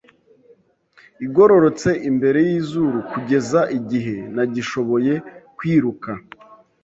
igororotse imbere yizuru kugeza igihe ntagishoboye kwiruka